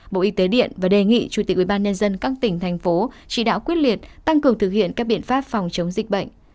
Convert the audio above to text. bộ y tế điện và đề nghị chủ tịch ubnd các tỉnh thành phố chỉ đạo quyết liệt tăng cường thực hiện các biện pháp phòng chống dịch bệnh